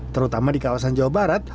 terutama di kawasan jawa barat